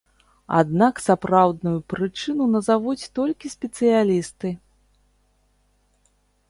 Аднак сапраўдную прычыну назавуць толькі спецыялісты.